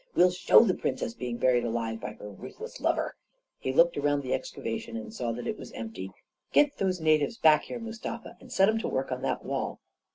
We'll show the Princess being buried alive by her ruth less lover !" He looked around the excavation and i6o A KING IN BABYLON saw that it was empty. " Get those natives back here, Mustafa, and set 'em to work on that wall."